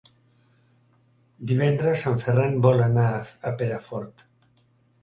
Divendres en Ferran vol anar a Perafort.